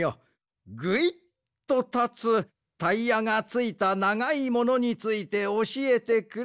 ぐいっとたつタイヤがついたながいものについておしえてくれ。